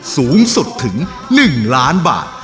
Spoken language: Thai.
สูงสุดถึง๑ล้านบาท